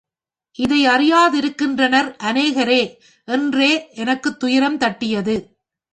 இதையறியாதிருக்கின்றனர் அநேகரே என்றே எனக்குத் துயரம் தட்டியது.